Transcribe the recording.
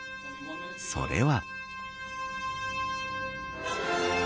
それは。